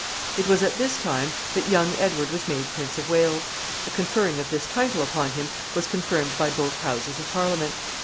It was at this time that young Edward was made Prince of Wales. The conferring of this title upon him was confirmed by both houses of Parliament.